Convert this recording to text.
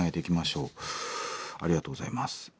ありがとうございます。